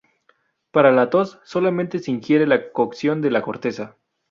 Para la tos, solamente se ingiere la cocción de la corteza.